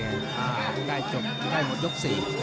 ได้จบได้หมดยก๔